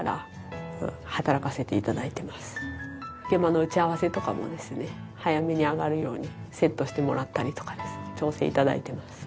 今は現場の打ち合わせとかもですね早めに上がるようにセットしてもらったりとか調整頂いてます。